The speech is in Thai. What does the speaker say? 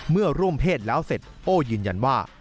ร่วมเพศแล้วเสร็จโอ้ยืนยันว่า